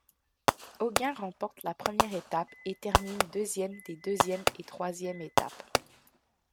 Auguin remporte la première étape et termine deuxième des deuxième et troisième étapes.